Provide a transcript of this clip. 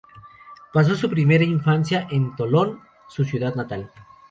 Pasó su primera infancia en Tolón, su ciudad natal.